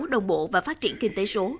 đồng bộ và phát triển kinh tế số